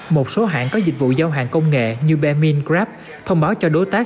một số hãng có dịch vụ giao hàng công nghệ như bermincraft thông báo cho đối tác